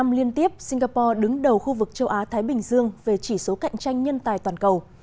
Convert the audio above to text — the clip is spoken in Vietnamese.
bảy mươi liên tiếp singapore đứng đầu khu vực châu á thái bình dương về chỉ số cạnh tranh nhân tài toàn cầu